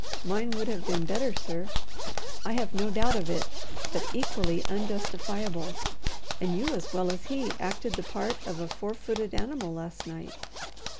Mine would have been better, sir." "I have no doubt of it, but equally unjustifiable. And you as well as he acted the part of a four footed animal last night."